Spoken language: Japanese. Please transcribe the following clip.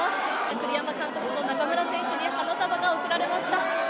栗山監督と中村選手に花束が贈られました。